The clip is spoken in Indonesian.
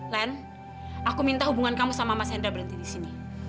len aku minta hubungan kamu sama mas hendra berhenti disini